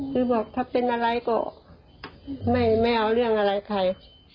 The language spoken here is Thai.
คือบอกถ้าเป็นอะไรก็ไม่เอาเรื่องอะไรใคร